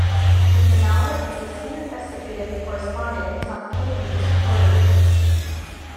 Victor Malarek is the senior investigative correspondent and Tom Kennedy is reporter.